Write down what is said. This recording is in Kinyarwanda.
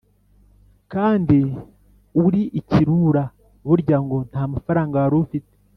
kandi uri ikirura. burya ngo ntamafaranga warufite